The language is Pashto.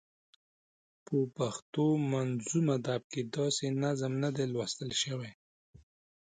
په پښتو منظوم ادب کې داسې نظم نه دی لوستل شوی.